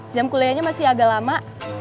jam kuliahnya masih agak lama